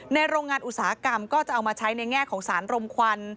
โรงงานอุตสาหกรรมก็จะเอามาใช้ในแง่ของสารรมควัน